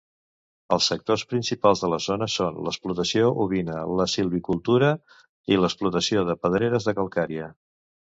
Els sectors principals de la zona són l'explotació ovina, la silvicultura i l'explotació de pedreres de calcària.